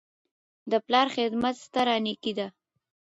د پلار خدمت ستره نیکي ده.